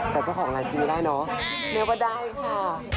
แต่เจ้าของรายชีวิตได้เนอะเนเวอร์ได้ค่ะ